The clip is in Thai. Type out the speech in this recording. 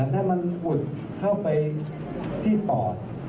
ถ้ามันอุดเข้าไปที่ปอด